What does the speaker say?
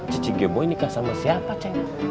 cici gemoy nikah sama siapa cenk